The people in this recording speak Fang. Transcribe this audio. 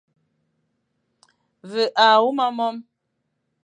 Ve a huma mome.